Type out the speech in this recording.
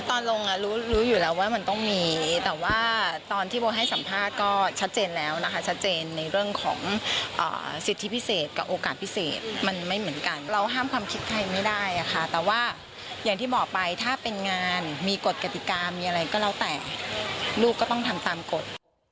ตอนลงรู้อยู่แล้วว่ามันต้องมีแต่ว่าตอนที่โบให้สัมภาษณ์ก็ชัดเจนแล้วนะคะชัดเจนในเรื่องของสิทธิพิเศษกับโอกาสพิเศษมันไม่เหมือนกันเราห้ามความคิดใครไม่ได้ค่ะแต่ว่าอย่างที่บอกไปถ้าเป็นงานมีกฎกติกามีอะไรก็แล้วแต่ลูกก็ต้องทำตามกฎ